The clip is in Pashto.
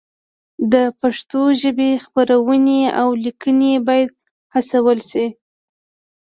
د پښتو ژبې خپرونې او لیکنې باید هڅول شي.